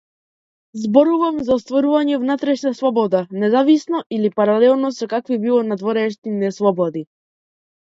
Зборувам за остварување внатрешна слобода независно од или паралелно со какви било надворешни неслободи.